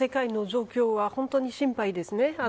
やっぱり今の世界の状況は本当に心配ですね。